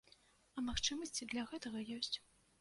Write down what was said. А магчымасці для гэта ёсць.